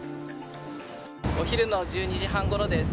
お昼の１２時半ごろです。